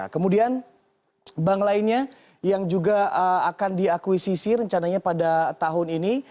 kemudian bank lainnya yang juga akan diakuisisi rencananya pada tahun ini